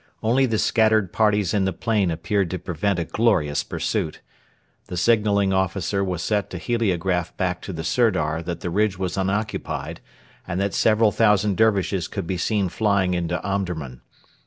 Only the scattered parties in the plain appeared to prevent a glorious pursuit. The signalling officer was set to heliograph back to the Sirdar that the ridge was unoccupied and that several thousand Dervishes could be seen flying into Omdurman.